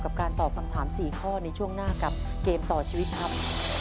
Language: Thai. การตอบคำถาม๔ข้อในช่วงหน้ากับเกมต่อชีวิตครับ